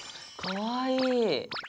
かわいい。